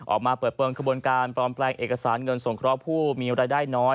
ออกมาเปิดเปลวงคบ๑๕๐๐การปรบแปลงเอกสารเงินส่งครอบคู่มีรายได้น้อย